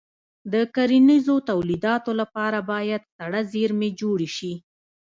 د کرنیزو تولیداتو لپاره باید سړه زېرمې جوړې شي.